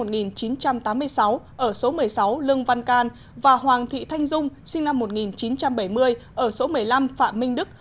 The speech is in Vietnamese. ở số một mươi sáu lương văn can và hoàng thị thanh dung sinh năm một nghìn chín trăm bảy mươi ở số một mươi năm phạm minh đức